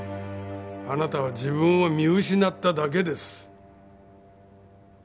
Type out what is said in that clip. あなたは自分を見失っただけです。